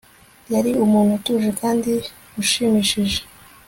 Yari umuntu utuje kandi ushimishije